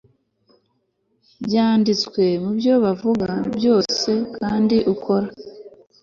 byanditswe mubyo uvuga byose kandi ukora